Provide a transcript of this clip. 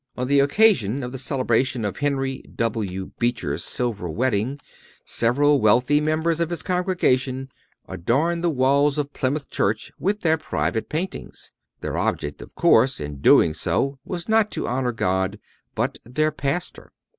On the occasion of the celebration of Henry W. Beecher's silver wedding several wealthy members of his congregation adorned the walls of Plymouth church with their private paintings. Their object, of course, in doing so was not to honor God, but their pastor.